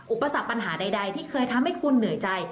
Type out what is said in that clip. อุปสรรคปัญหาใดที่เคยทำให้คุณเหนื่อยใจ